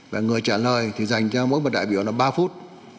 và người trả lời thì dành cho mỗi một đại biểu là ba phút